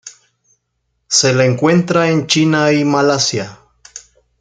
Se la encuentra en China y Malasia.